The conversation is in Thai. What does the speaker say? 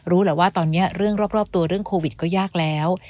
แหละว่าตอนนี้เรื่องรอบตัวเรื่องโควิดก็ยากแล้ว